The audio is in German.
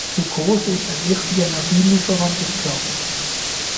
Glucose ist ein wichtiger Energielieferant des Körpers.